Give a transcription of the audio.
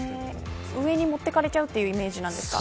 上に持っていかれちゃうというイメージなんですか。